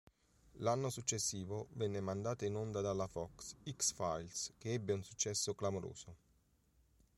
L'anno successivo venne mandata in onda dalla Fox "X-Files" che ebbe un successo clamoroso.